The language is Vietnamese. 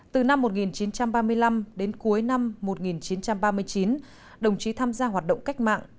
từ năm một nghìn chín trăm ba mươi năm đến cuối năm một nghìn chín trăm ba mươi chín đồng chí tham gia hoạt động cách mạng